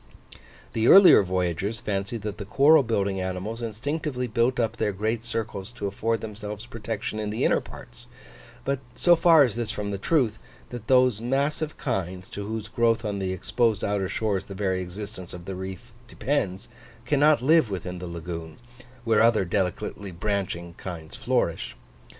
The earlier voyagers fancied that the coral building animals instinctively built up their great circles to afford themselves protection in the inner parts; but so far is this from the truth, that those massive kinds, to whose growth on the exposed outer shores the very existence of the reef depends, cannot live within the lagoon, where other delicately branching kinds flourish.